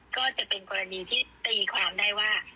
ก็จะเป็นกรณีที่ตีความได้ว่า